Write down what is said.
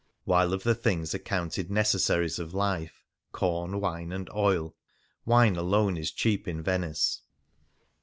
While of the thiiigs accounted necessaries of life — corn, wine, and oil — wine alone is cheap in Venice.